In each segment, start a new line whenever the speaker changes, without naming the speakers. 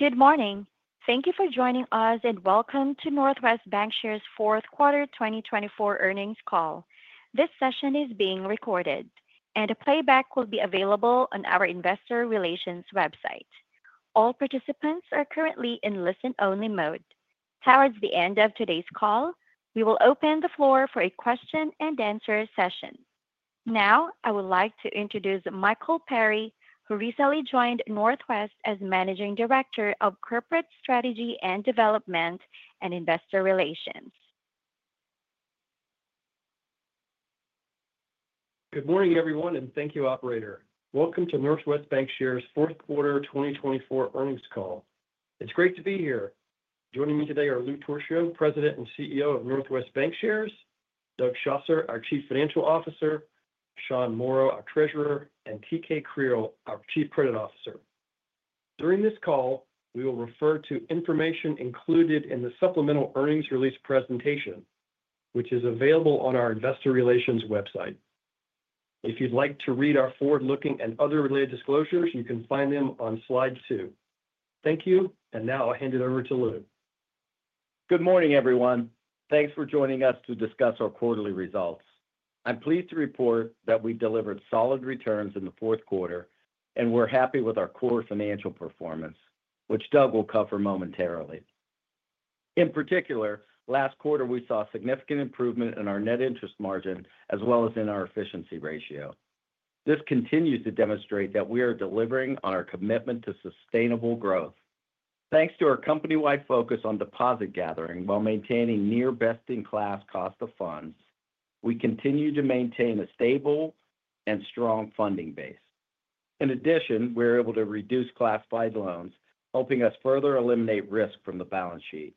Good morning. Thank you for joining us and welcome to Northwest Bancshares' Fourth Quarter 2024 Earnings Call. This session is being recorded, and a playback will be available on our Investor Relations website. All participants are currently in listen-only mode. Towards the end of today's call, we will open the floor for a question-and-answer session. Now, I would like to introduce Michael Perry, who recently joined Northwest as Managing Director of Corporate Strategy and Development and Investor Relations.
Good morning, everyone, and thank you, operator. Welcome to Northwest Bancshares' Fourth Quarter 2024 Earnings Call. It's great to be here. Joining me today are Louis Torchio, President and CEO of Northwest Bancshares, Doug Schosser, our Chief Financial Officer, Sean Morrow, our Treasurer, and TK Creal, our Chief Credit Officer. During this call, we will refer to information included in the supplemental earnings release presentation, which is available on our investor relations website. If you'd like to read our forward-looking and other related disclosures, you can find them on slide two. Thank you, and now I'll hand it over to Lou.
Good morning, everyone. Thanks for joining us to discuss our quarterly results. I'm pleased to report that we delivered solid returns in the fourth quarter, and we're happy with our core financial performance, which Doug will cover momentarily. In particular, last quarter we saw significant improvement in our net interest margin as well as in our efficiency ratio. This continues to demonstrate that we are delivering on our commitment to sustainable growth. Thanks to our company-wide focus on deposit gathering while maintaining near best-in-class cost of funds, we continue to maintain a stable and strong funding base. In addition, we're able to reduce classified loans, helping us further eliminate risk from the balance sheet.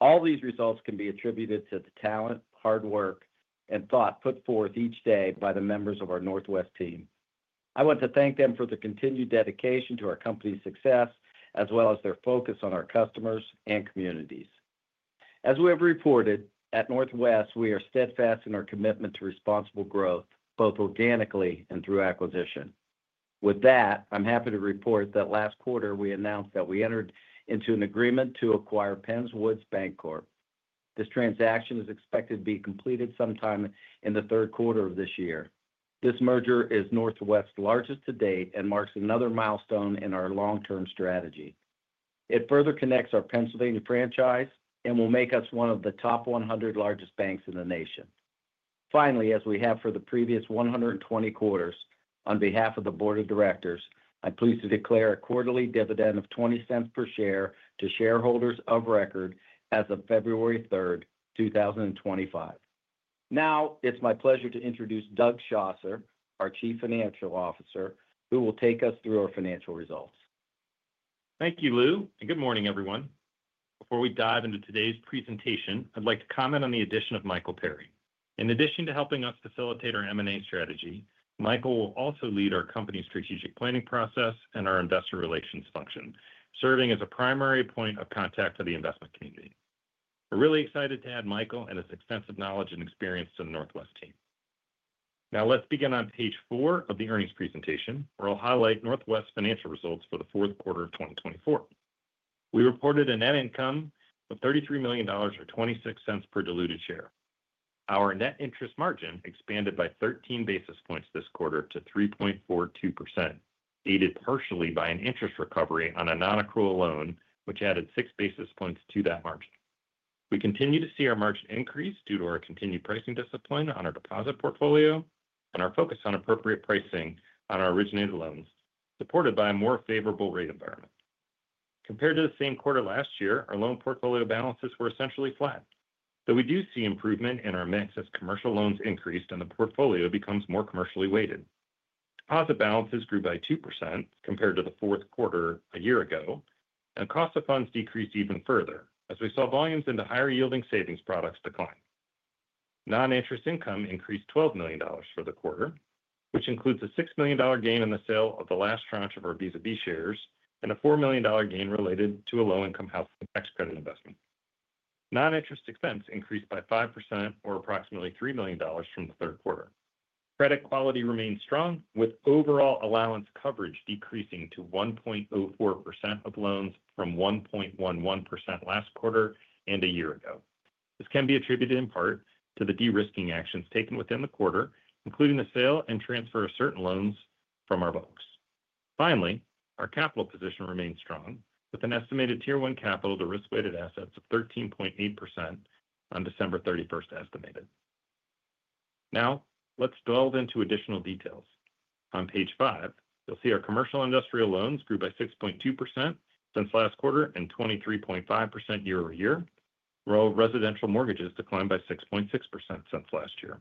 All these results can be attributed to the talent, hard work, and thought put forth each day by the members of our Northwest team. I want to thank them for the continued dedication to our company's success as well as their focus on our customers and communities. As we have reported, at Northwest, we are steadfast in our commitment to responsible growth, both organically and through acquisition. With that, I'm happy to report that last quarter we announced that we entered into an agreement to acquire Penns Woods Bancorp. This transaction is expected to be completed sometime in the third quarter of this year. This merger is Northwest's largest to date and marks another milestone in our long-term strategy. It further connects our Pennsylvania franchise and will make us one of the top 100 largest banks in the nation. Finally, as we have for the previous 120 quarters, on behalf of the Board of Directors, I'm pleased to declare a quarterly dividend of $0.20 per share to shareholders of record as of February 3rd, 2025. Now, it's my pleasure to introduce Doug Schosser, our Chief Financial Officer, who will take us through our financial results.
Thank you, Lou, and good morning, everyone. Before we dive into today's presentation, I'd like to comment on the addition of Michael Perry. In addition to helping us facilitate our M&A strategy, Michael will also lead our company's strategic planning process and our investor relations function, serving as a primary point of contact for the investment community. We're really excited to add Michael and his extensive knowledge and experience to the Northwest team. Now, let's begin on page four of the earnings presentation, where I'll highlight Northwest's financial results for the fourth quarter of 2024. We reported a net income of $33 million or $0.26 per diluted share. Our net interest margin expanded by 13 basis points this quarter to 3.42%, aided partially by an interest recovery on a non-accrual loan, which added six basis points to that margin. We continue to see our margin increase due to our continued pricing discipline on our deposit portfolio and our focus on appropriate pricing on our originated loans, supported by a more favorable rate environment. Compared to the same quarter last year, our loan portfolio balances were essentially flat, though we do see improvement in our mix as commercial loans increased and the portfolio becomes more commercially weighted. Deposit balances grew by 2% compared to the fourth quarter a year ago, and the cost of funds decreased even further as we saw volumes into higher-yielding savings products decline. Non-interest income increased $12 million for the quarter, which includes a $6 million gain in the sale of the last tranche of our Visa B shares and a $4 million gain related to a low-income housing tax credit investment. Non-interest expense increased by 5%, or approximately $3 million from the third quarter. Credit quality remained strong, with overall allowance coverage decreasing to 1.04% of loans from 1.11% last quarter and a year ago. This can be attributed in part to the de-risking actions taken within the quarter, including the sale and transfer of certain loans from our banks. Finally, our capital position remained strong, with an estimated Tier 1 capital-to-risk-weighted assets of 13.8% on December 31st estimated. Now, let's delve into additional details. On page five, you'll see our commercial and industrial loans grew by 6.2% since last quarter and 23.5% year-over-year, while residential mortgages declined by 6.6% since last year.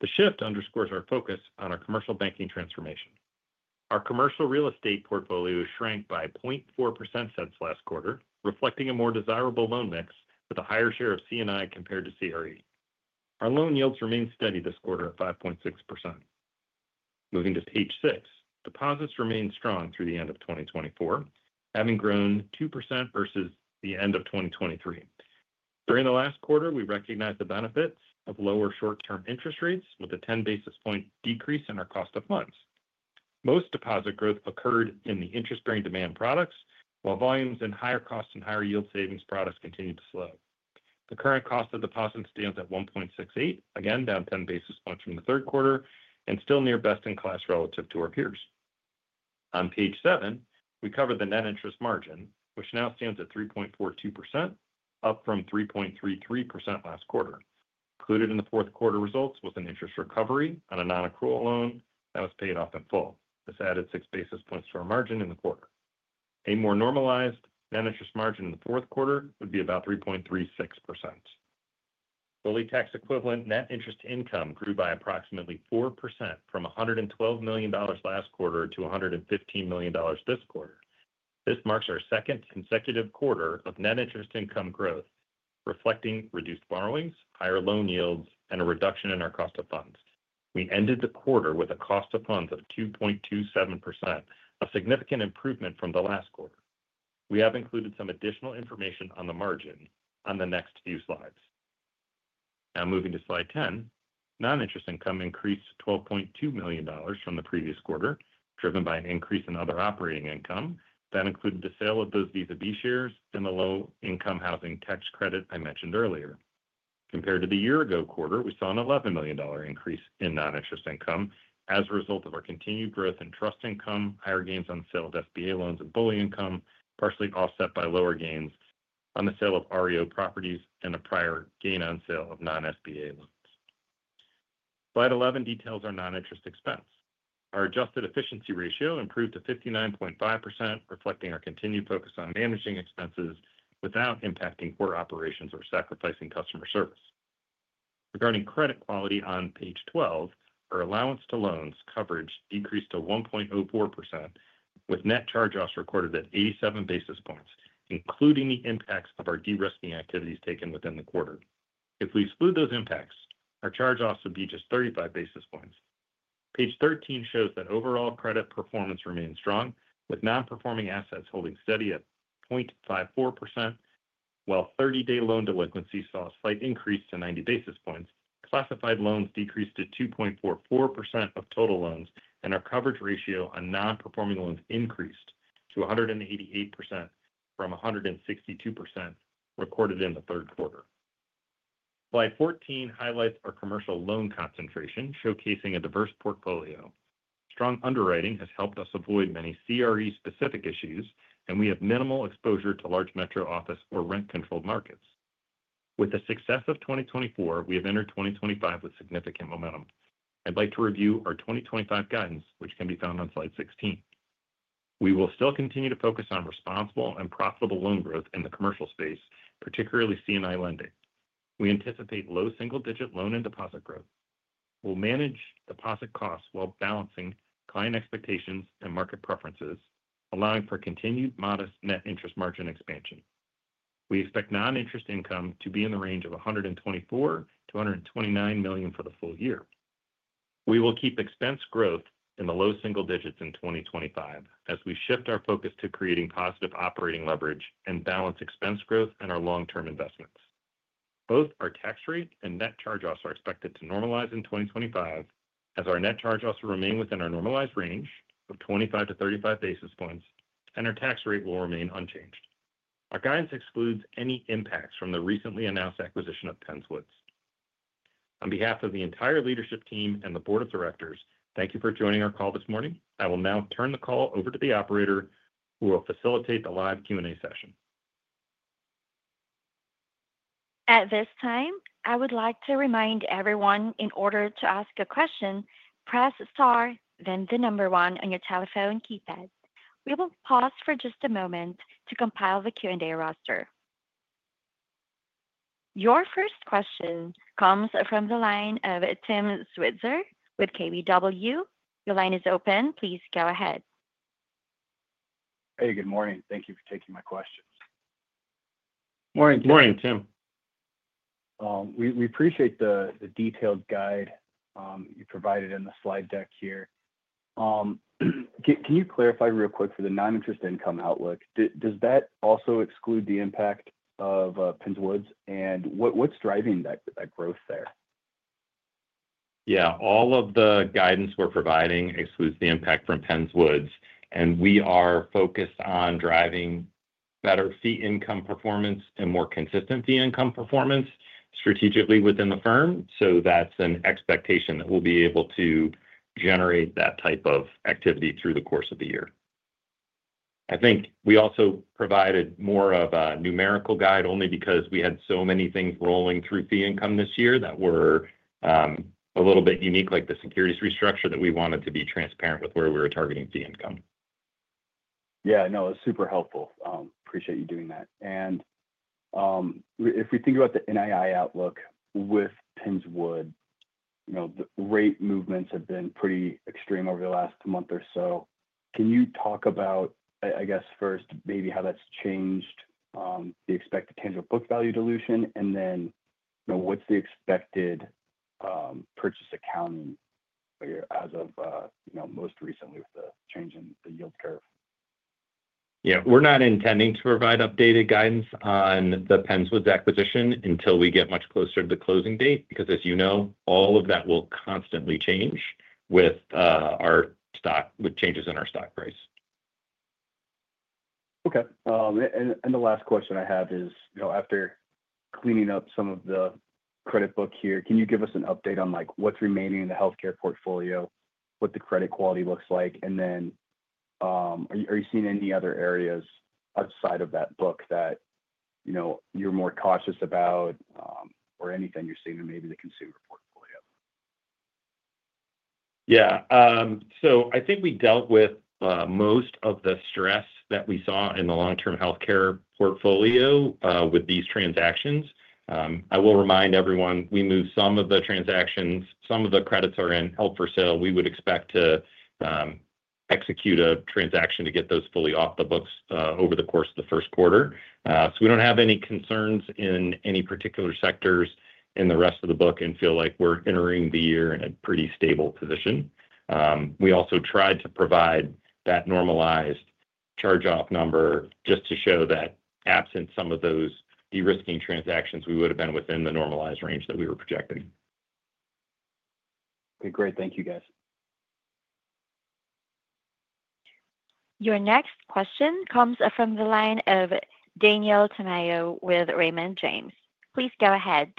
The shift underscores our focus on our commercial banking transformation. Our commercial real estate portfolio shrank by 0.4% since last quarter, reflecting a more desirable loan mix with a higher share of C&I compared to CRE. Our loan yields remained steady this quarter at 5.6%. Moving to page six, deposits remained strong through the end of 2024, having grown 2% versus the end of 2023. During the last quarter, we recognized the benefits of lower short-term interest rates with a 10 basis point decrease in our cost of funds. Most deposit growth occurred in the interest-bearing demand products, while volumes in higher cost and higher-yield savings products continued to slow. The current cost of deposits stands at 1.68, again down 10 basis points from the third quarter and still near best-in-class relative to our peers. On page seven, we covered the net interest margin, which now stands at 3.42%, up from 3.33% last quarter. Included in the fourth quarter results was an interest recovery on a non-accrual loan that was paid off in full. This added six basis points to our margin in the quarter. A more normalized net interest margin in the fourth quarter would be about 3.36%. Fully tax-equivalent net interest income grew by approximately 4% from $112 million last quarter to $115 million this quarter. This marks our second consecutive quarter of net interest income growth, reflecting reduced borrowings, higher loan yields, and a reduction in our cost of funds. We ended the quarter with a cost of funds of 2.27%, a significant improvement from the last quarter. We have included some additional information on the margin on the next few slides. Now, moving to slide 10, non-interest income increased $12.2 million from the previous quarter, driven by an increase in other operating income that included the sale of those Visa B shares and the low-income housing tax credit I mentioned earlier. Compared to the year-ago quarter, we saw an $11 million increase in non-interest income as a result of our continued growth in trust income, higher gains on sale of SBA loans and BOLI income, partially offset by lower gains on the sale of REO properties and a prior gain on sale of non-SBA loans. Slide 11 details our non-interest expense. Our adjusted efficiency ratio improved to 59.5%, reflecting our continued focus on managing expenses without impacting core operations or sacrificing customer service. Regarding credit quality on page 12, our allowance to loans coverage decreased to 1.04%, with net charge-offs recorded at 87 basis points, including the impacts of our de-risking activities taken within the quarter. If we exclude those impacts, our charge-offs would be just 35 basis points. Page 13 shows that overall credit performance remained strong, with non-performing assets holding steady at 0.54%, while 30-day loan delinquency saw a slight increase to 90 basis points, classified loans decreased to 2.44% of total loans, and our coverage ratio on non-performing loans increased to 188% from 162% recorded in the third quarter. Slide 14 highlights our commercial loan concentration, showcasing a diverse portfolio. Strong underwriting has helped us avoid many CRE-specific issues, and we have minimal exposure to large metro office or rent-controlled markets. With the success of 2024, we have entered 2025 with significant momentum. I'd like to review our 2025 guidance, which can be found on slide 16. We will still continue to focus on responsible and profitable loan growth in the commercial space, particularly C&I lending. We anticipate low single-digit loan and deposit growth. We'll manage deposit costs while balancing client expectations and market preferences, allowing for continued modest net interest margin expansion. We expect non-interest income to be in the range of $124 million-$129 million for the full year. We will keep expense growth in the low single digits in 2025 as we shift our focus to creating positive operating leverage and balance expense growth and our long-term investments. Both our tax rate and net charge-offs are expected to normalize in 2025, as our net charge-offs will remain within our normalized range of 25-35 basis points, and our tax rate will remain unchanged. Our guidance excludes any impacts from the recently announced acquisition of Penns Woods. On behalf of the entire leadership team and the Board of Directors, thank you for joining our call this morning. I will now turn the call over to the operator, who will facilitate the live Q&A session.
At this time, I would like to remind everyone, in order to ask a question, press star, then the number one on your telephone keypad. We will pause for just a moment to compile the Q&A roster. Your first question comes from the line of Tim Switzer with KBW. Your line is open. Please go ahead.
Hey, good morning. Thank you for taking my questions.
Morning, Tim.
Morning, Tim.
We appreciate the detailed guide you provided in the slide deck here. Can you clarify real quick for the non-interest income outlook? Does that also exclude the impact of Penns Woods, and what's driving that growth there?
Yeah, all of the guidance we're providing excludes the impact from Penns Woods, and we are focused on driving better fee income performance and more consistent fee income performance strategically within the firm, so that's an expectation that we'll be able to generate that type of activity through the course of the year. I think we also provided more of a numerical guide only because we had so many things rolling through fee income this year that were a little bit unique, like the securities restructure, that we wanted to be transparent with where we were targeting fee income.
Yeah, no, it's super helpful. Appreciate you doing that. And if we think about the NII outlook with Penns Woods, the rate movements have been pretty extreme over the last month or so. Can you talk about, I guess, first, maybe how that's changed the expected tangible book value dilution, and then what's the expected purchase accounting as of most recently with the change in the yield curve?
Yeah, we're not intending to provide updated guidance on the Penns Woods acquisition until we get much closer to the closing date, because, as you know, all of that will constantly change with our stock, with changes in our stock price.
Okay, and the last question I have is, after cleaning up some of the credit book here, can you give us an update on what's remaining in the healthcare portfolio, what the credit quality looks like, and then are you seeing any other areas outside of that book that you're more cautious about or anything you're seeing in maybe the consumer portfolio?
Yeah, so I think we dealt with most of the stress that we saw in the long-term healthcare portfolio with these transactions. I will remind everyone, we moved some of the transactions. Some of the credits are held for sale. We would expect to execute a transaction to get those fully off the books over the course of the first quarter, and we don't have any concerns in any particular sectors in the rest of the book and feel like we're entering the year in a pretty stable position. We also tried to provide that normalized charge-off number just to show that absent some of those de-risking transactions, we would have been within the normalized range that we were projecting.
Okay, great. Thank you, guys.
Your next question comes from the line of Daniel Tamayo with Raymond James. Please go ahead.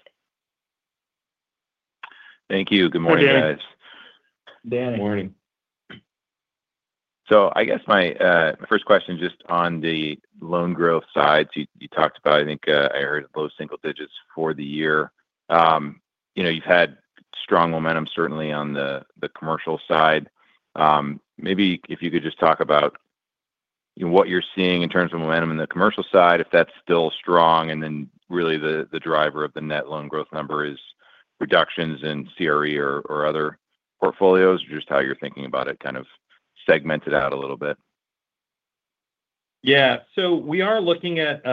Thank you. Good morning, guys.
Daniel.
Good morning.
So, I guess my first question just on the loan growth side. You talked about, I think I heard, low single digits for the year. You've had strong momentum, certainly on the commercial side. Maybe if you could just talk about what you're seeing in terms of momentum in the commercial side, if that's still strong, and then really the driver of the net loan growth number is reductions in CRE or other portfolios, just how you're thinking about it, kind of segment it out a little bit.
Yeah. So we are looking at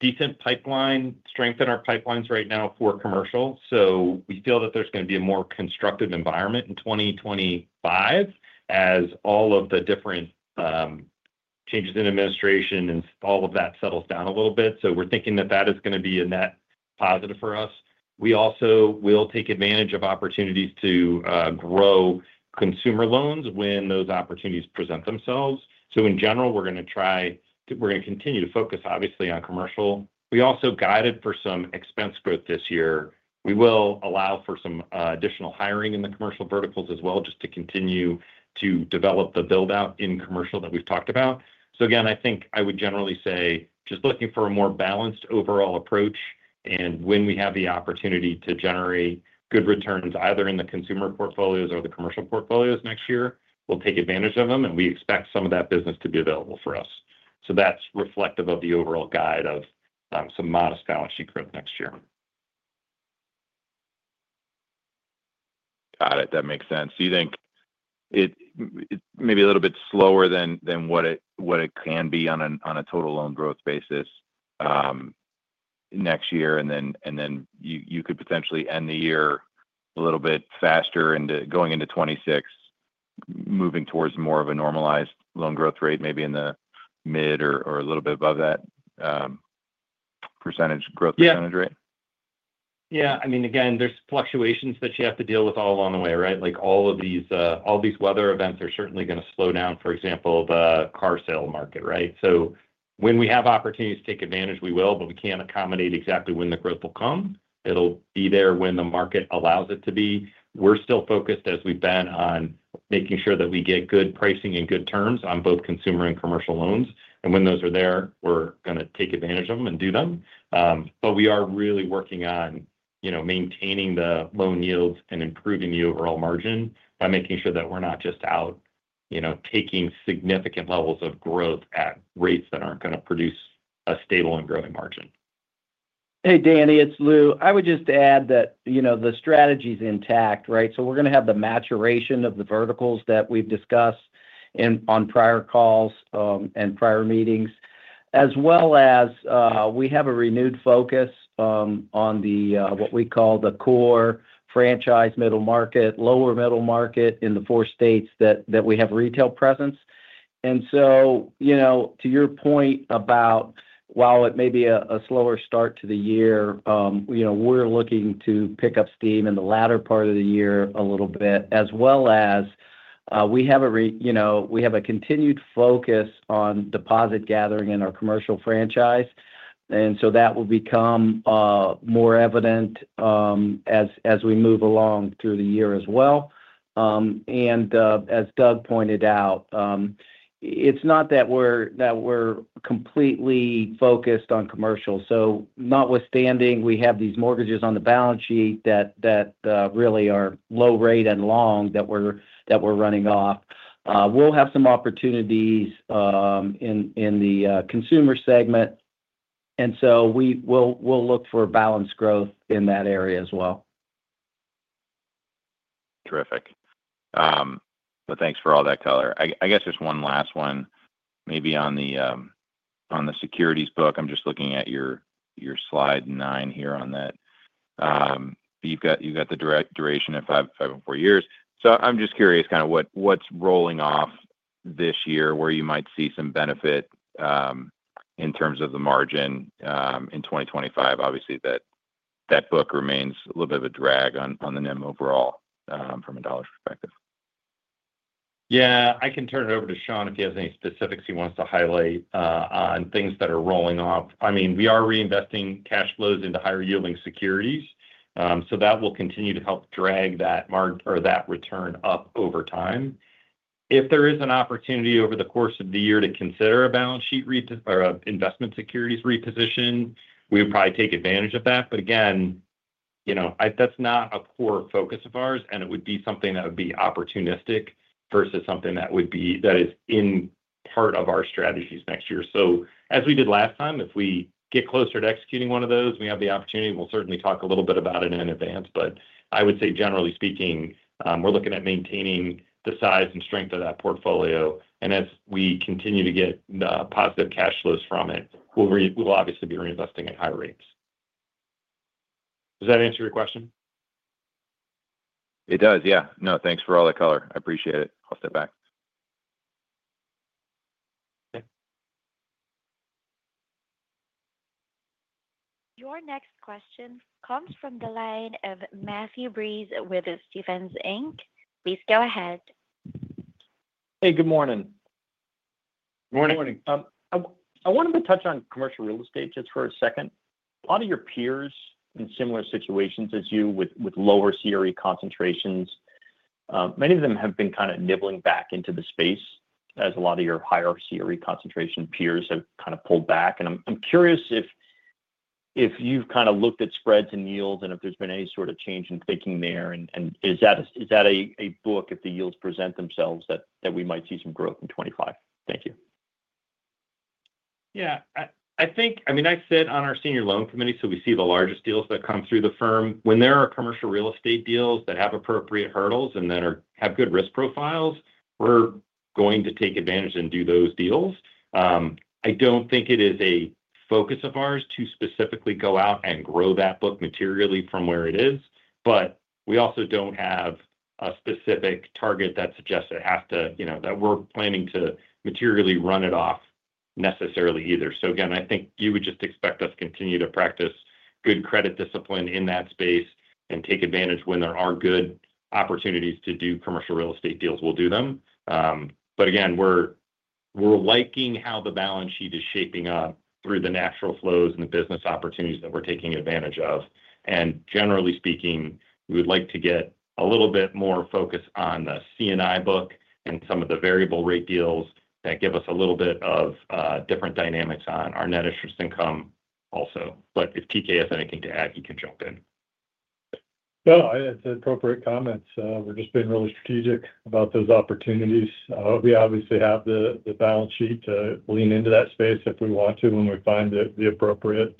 decent pipeline strength in our pipelines right now for commercial. So we feel that there's going to be a more constructive environment in 2025 as all of the different changes in administration and all of that settles down a little bit. So we're thinking that that is going to be a net positive for us. We also will take advantage of opportunities to grow consumer loans when those opportunities present themselves. So in general, we're going to continue to focus, obviously, on commercial. We also guided for some expense growth this year. We will allow for some additional hiring in the commercial verticals as well, just to continue to develop the build-out in commercial that we've talked about. So again, I think I would generally say just looking for a more balanced overall approach, and when we have the opportunity to generate good returns either in the consumer portfolios or the commercial portfolios next year, we'll take advantage of them, and we expect some of that business to be available for us. So that's reflective of the overall guide of some modest balance sheet growth next year.
Got it. That makes sense. So you think it may be a little bit slower than what it can be on a total loan growth basis next year, and then you could potentially end the year a little bit faster into going into 2026, moving towards more of a normalized loan growth rate, maybe in the mid or a little bit above that percentage growth percentage rate?
Yeah. Yeah. I mean, again, there's fluctuations that you have to deal with all along the way, right? All of these weather events are certainly going to slow down, for example, the car sale market, right? So when we have opportunities to take advantage, we will, but we can't accommodate exactly when the growth will come. It'll be there when the market allows it to be. We're still focused, as we've been, on making sure that we get good pricing and good terms on both consumer and commercial loans. And when those are there, we're going to take advantage of them and do them. But we are really working on maintaining the loan yields and improving the overall margin by making sure that we're not just out taking significant levels of growth at rates that aren't going to produce a stable and growing margin.
Hey, Danny, it's Lou. I would just add that the strategy is intact, right? So we're going to have the maturation of the verticals that we've discussed on prior calls and prior meetings, as well as we have a renewed focus on what we call the core franchise middle market, lower middle market in the four states that we have retail presence. And so to your point about, while it may be a slower start to the year, we're looking to pick up steam in the latter part of the year a little bit, as well as we have a continued focus on deposit gathering in our commercial franchise. And so that will become more evident as we move along through the year as well. And as Doug pointed out, it's not that we're completely focused on commercial. So notwithstanding, we have these mortgages on the balance sheet that really are low rate and long that we're running off. We'll have some opportunities in the consumer segment. And so we'll look for balanced growth in that area as well.
Terrific. But thanks for all that color. I guess just one last one, maybe on the securities book. I'm just looking at your slide nine here on that. You've got the duration of five or four years. So I'm just curious kind of what's rolling off this year where you might see some benefit in terms of the margin in 2025. Obviously, that book remains a little bit of a drag on the NIM overall from a dollar's perspective.
Yeah. I can turn it over to Sean if he has any specifics he wants to highlight on things that are rolling off. I mean, we are reinvesting cash flows into higher yielding securities. So that will continue to help drag that return up over time. If there is an opportunity over the course of the year to consider a balance sheet or investment securities reposition, we would probably take advantage of that. But again, that's not a core focus of ours, and it would be something that would be opportunistic versus something that is in part of our strategies next year. So as we did last time, if we get closer to executing one of those, we have the opportunity. We'll certainly talk a little bit about it in advance. But I would say, generally speaking, we're looking at maintaining the size and strength of that portfolio. And as we continue to get positive cash flows from it, we'll obviously be reinvesting at higher rates. Does that answer your question?
It does. Yeah. No, thanks for all that color. I appreciate it. I'll step back.
Your next question comes from the line of Matthew Breese with Stephens Inc. Please go ahead.
Hey, good morning.
Good morning.
Good morning. I wanted to touch on commercial real estate just for a second. A lot of your peers in similar situations as you with lower CRE concentrations, many of them have been kind of nibbling back into the space as a lot of your higher CRE concentration peers have kind of pulled back, and I'm curious if you've kind of looked at spreads and yields and if there's been any sort of change in thinking there, and is that a book, if the yields present themselves, that we might see some growth in 2025? Thank you.
Yeah. I mean, I sit on our senior loan committee, so we see the largest deals that come through the firm. When there are commercial real estate deals that have appropriate hurdles and that have good risk profiles, we're going to take advantage and do those deals. I don't think it is a focus of ours to specifically go out and grow that book materially from where it is. But we also don't have a specific target that suggests it has to that we're planning to materially run it off necessarily either. So again, I think you would just expect us to continue to practice good credit discipline in that space and take advantage when there are good opportunities to do commercial real estate deals. We'll do them. But again, we're liking how the balance sheet is shaping up through the natural flows and the business opportunities that we're taking advantage of. And generally speaking, we would like to get a little bit more focus on the C&I book and some of the variable rate deals that give us a little bit of different dynamics on our net interest income also. But if TK has anything to add, he can jump in.
No, it's appropriate comments. We're just being really strategic about those opportunities. We obviously have the balance sheet to lean into that space if we want to when we find the appropriate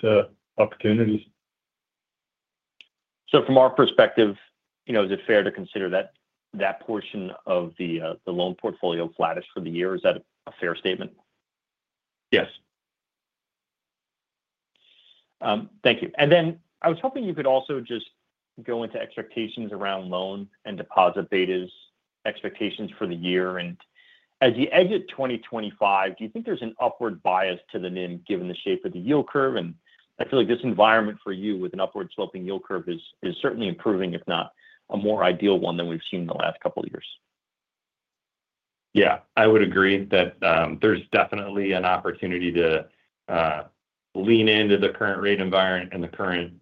opportunities.
So from our perspective, is it fair to consider that that portion of the loan portfolio flattish for the year? Is that a fair statement?
Yes.
Thank you. And then I was hoping you could also just go into expectations around loan and deposit betas, expectations for the year. And as you exit 2025, do you think there's an upward bias to the NIM given the shape of the yield curve? And I feel like this environment for you with an upward-sloping yield curve is certainly improving, if not a more ideal one than we've seen in the last couple of years.
Yeah. I would agree that there's definitely an opportunity to lean into the current rate environment and the current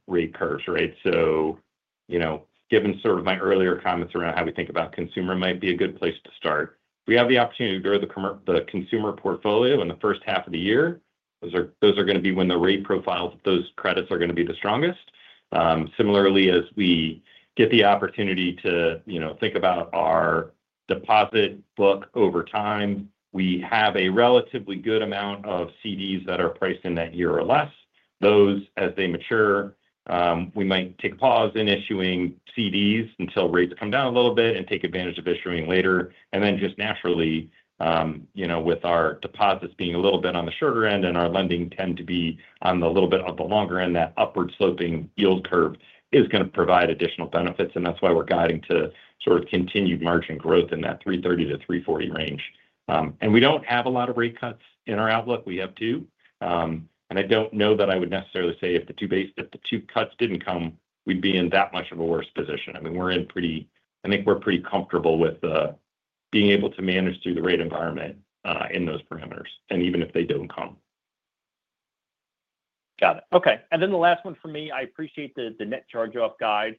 rate curves, right? So given sort of my earlier comments around how we think about consumer might be a good place to start, we have the opportunity to grow the consumer portfolio in the first half of the year. Those are going to be when the rate profiles of those credits are going to be the strongest. Similarly, as we get the opportunity to think about our deposit book over time, we have a relatively good amount of CDs that are priced in that year or less. Those, as they mature, we might take a pause in issuing CDs until rates come down a little bit and take advantage of issuing later. And then just naturally, with our deposits being a little bit on the shorter end and our lending tend to be on the little bit of the longer end, that upward-sloping yield curve is going to provide additional benefits. And that's why we're guiding to sort of continued margin growth in that 330-340 range. And we don't have a lot of rate cuts in our outlook. We have two. And I don't know that I would necessarily say if the two cuts didn't come, we'd be in that much of a worse position. I mean, we're in pretty I think we're pretty comfortable with being able to manage through the rate environment in those parameters, and even if they don't come.
Got it. Okay. And then the last one for me, I appreciate the net charge-off guide.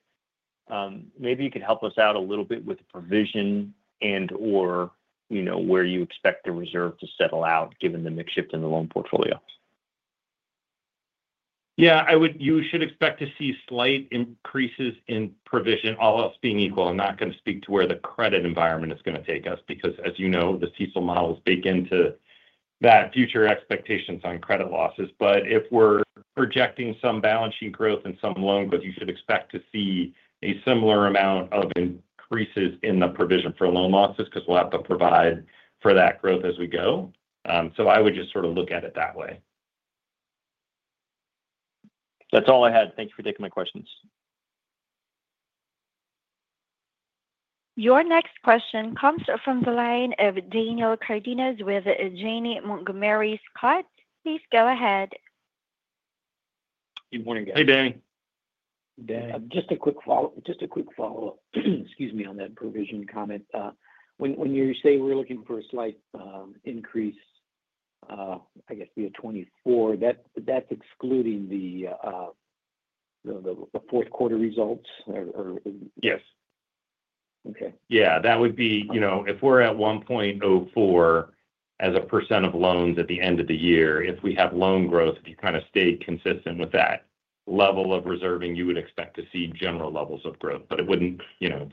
Maybe you could help us out a little bit with provision and/or where you expect the reserve to settle out given the mix shift in the loan portfolio.
Yeah. You should expect to see slight increases in provision, all else being equal. I'm not going to speak to where the credit environment is going to take us because, as you know, the CECL model is baked into that future expectations on credit losses, but if we're projecting some balance sheet growth and some loan growth, you should expect to see a similar amount of increases in the provision for loan losses because we'll have to provide for that growth as we go, so I would just sort of look at it that way.
That's all I had. Thank you for taking my questions.
Your next question comes from the line of Daniel Cardenas with Janney Montgomery Scott. Please go ahead.
Good morning, guys.
Hey, Danny.
Danny. Just a quick follow-up. Excuse me on that provision comment. When you say we're looking for a slight increase, I guess, via 2024, that's excluding the fourth quarter results or?
Yes.
Okay.
Yeah. That would be if we're at 1.04% of loans at the end of the year, if we have loan growth, if you kind of stay consistent with that level of reserving, you would expect to see general levels of growth. But it wouldn't kind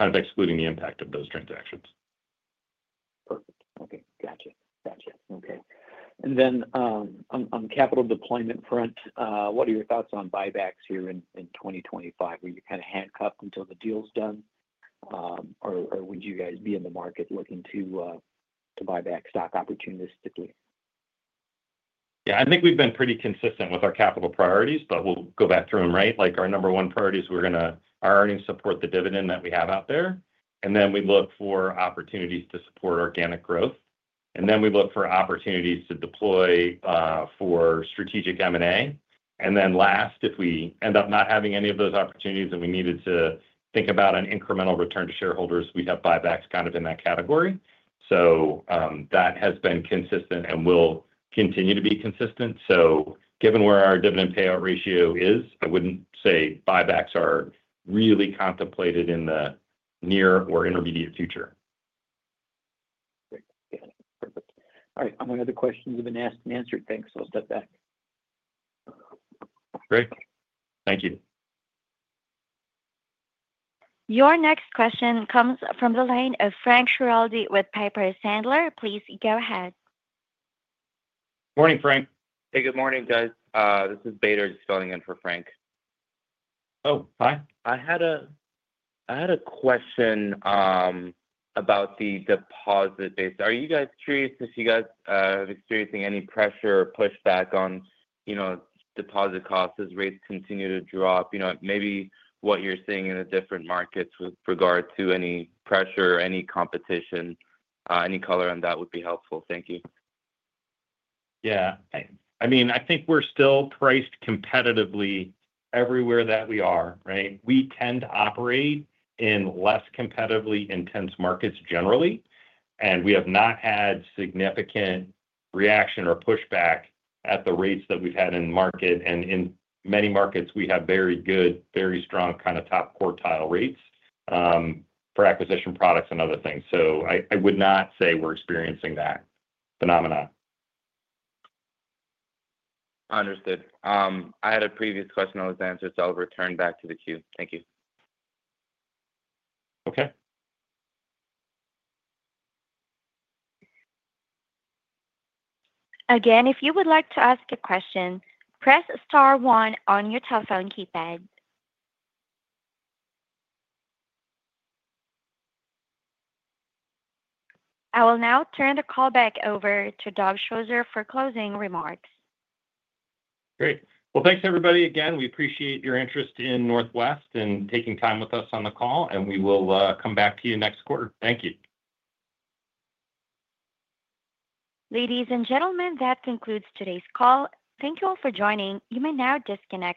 of excluding the impact of those transactions.
Perfect. Okay. Gotcha. Gotcha. Okay. And then on capital deployment front, what are your thoughts on buybacks here in 2025? Will you kind of handcuff until the deal's done, or would you guys be in the market looking to buy back stock opportunistically?
Yeah. I think we've been pretty consistent with our capital priorities, but we'll go back through them, right? Our number one priority is to ensure our earnings support the dividend that we have out there, and then we look for opportunities to support organic growth, and then we look for opportunities to deploy for strategic M&A, and then last, if we end up not having any of those opportunities and we needed to think about an incremental return to shareholders, we'd have buybacks kind of in that category, so that has been consistent and will continue to be consistent, so given where our dividend payout ratio is, I wouldn't say buybacks are really contemplated in the near or intermediate future.
Great. Got it. Perfect. All right. I don't have the questions you've been asked and answered. Thanks. I'll step back.
Great. Thank you.
Your next question comes from the line of Frank Schiraldi with Piper Sandler. Please go ahead.
Morning, Frank. Hey, good morning, guys. This is Bader filling in for Frank. Oh, hi. I had a question about the deposit base. Are you guys curious if you guys are experiencing any pressure or pushback on deposit costs as rates continue to drop? Maybe what you're seeing in the different markets with regard to any pressure or any competition, any color on that would be helpful. Thank you.
Yeah. I mean, I think we're still priced competitively everywhere that we are, right? We tend to operate in less competitively intense markets generally. And we have not had significant reaction or pushback at the rates that we've had in the market. And in many markets, we have very good, very strong kind of top quartile rates for acquisition products and other things. So I would not say we're experiencing that phenomenon. Understood. I had a previous question that was answered, so I'll return back to the queue. Thank you. Okay.
Again, if you would like to ask a question, press star one on your telephone keypad. I will now turn the call back over to Doug Schosser for closing remarks.
Great. Well, thanks, everybody. Again, we appreciate your interest in Northwest and taking time with us on the call. And we will come back to you next quarter. Thank you.
Ladies and gentlemen, that concludes today's call. Thank you all for joining. You may now disconnect.